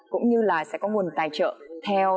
cũng như là sẽ có nguồn tài trợ